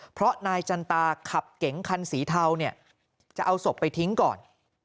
เพราะนายจันตาขับเก๋งคันสีเทาเนี่ยจะเอาศพไปทิ้งก่อน